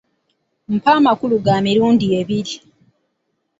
Mpa amakulu ga mirundi abiri.